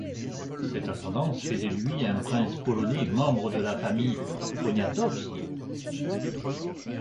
Cette ascendance fait de lui un prince polonais membre de la famille Poniatowski.